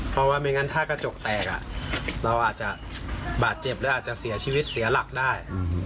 เพราะว่าไม่งั้นถ้ากระจกแตกเราอาจจะบาดเจ็บหรืออาจจะเสียชีวิตเสียหลักได้